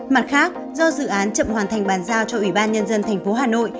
mặt khác do dự án chậm hoàn thành bàn giao cho ủy ban nhân dân tp hà nội